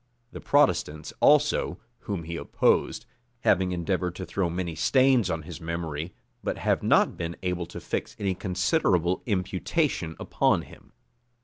The Protestants also, whom he opposed, have endeavored to throw many stains on his memory; but have not been able to fix any considerable imputation upon him.